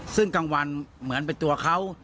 ซึ่งกลางวันเหมือนเป็นตัวเขา